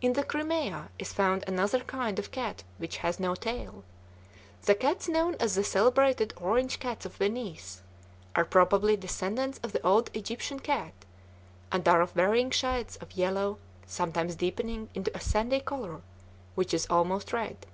In the Crimea is found another kind of cat which has no tail. The cats known as the "celebrated orange cats of Venice," are probably descendants of the old Egyptian cat, and are of varying shades of yellow, sometimes deepening into a sandy color which is almost red.